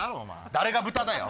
誰が豚だよ！